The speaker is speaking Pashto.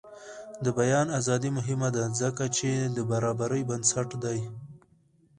د بیان ازادي مهمه ده ځکه چې د برابرۍ بنسټ دی.